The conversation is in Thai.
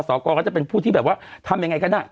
กรก็จะเป็นผู้ที่แบบว่าทำยังไงก็ได้